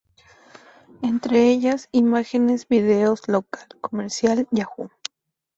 Entre ellas imágenes, vídeos, local, comercial, Yahoo!